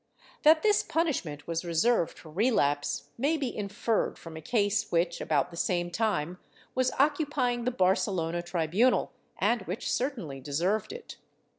^ That this punishment was reserved for relapse may be inferred from a case which, about the same time, was occupying the Barcelona tri bunal and which certainly deserved it.